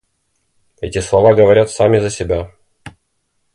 Эти слова говорят сами за себя.